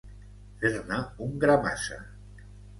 Fer-ne un gra massa.